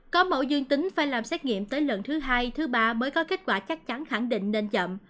có mẫu dương tính phải làm xét nghiệm tới lần thứ hai thứ ba mới có kết quả chắc chắn khẳng định nên chậm